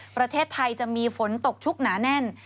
ประเทศไทยจะมีฝนตกชุกหนาแน่น